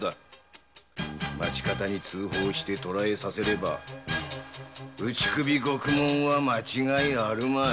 町方に通報して捕らえさせれば打ち首獄門は間違いあるまい。